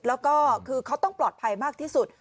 แล้วก็คือเขาต้องปลอดภัยมากที่สุด